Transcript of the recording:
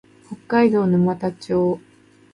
北海道沼田町